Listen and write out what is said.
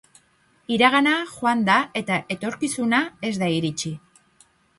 Iragana joan da eta etorkizuna ez da iritsi.